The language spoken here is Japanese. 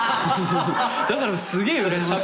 だからすげえうらやましい。